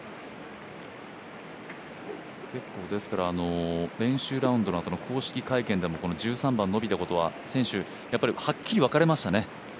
結構、練習のあとの公式会見でも１３番延びたことは、選手はっきり分かれましたね。